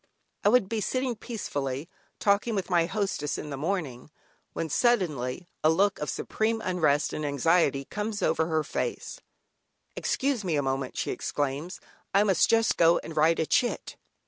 I would be sitting peacefully talking with my hostess in the morning, when suddenly, a look of supreme unrest and anxiety comes over her face: "Excuse me, a moment" she exclaims, "I must just go and write a chit."